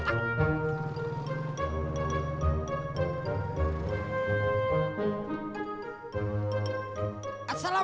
nih bang mau bang